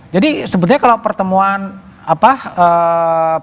jadi sebetulnya kalau pertemuan apa eee